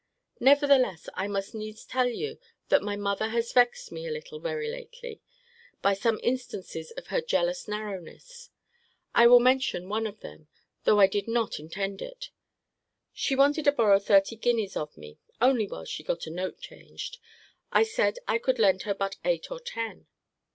Nevertheless, I must needs tell you, that my mother has vexed me a little very lately, by some instances of her jealous narrowness. I will mention one of them, though I did not intend it. She wanted to borrow thirty guineas of me: only while she got a note changed. I said I could lend her but eight or ten.